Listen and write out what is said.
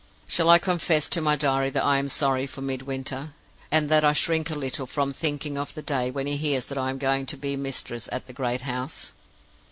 Shall I confess to my diary that I am sorry for Midwinter, and that I shrink a little from thinking of the day when he hears that I am going to be mistress at the great house?